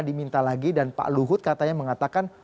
diminta lagi dan pak luhut katanya mengatakan